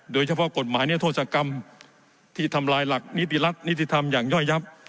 โดยเฉพาะกฎหมายเนื้อโทษกรรมที่ทำลายหลักนิติลักษณ์นิติธรรมอย่อยยับ